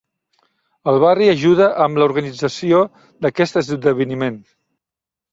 El barri ajuda amb l'organització d'aquest esdeveniment.